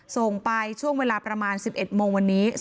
ส่งไปช่วงเวลาประมาณ๑๑โมงวันนี้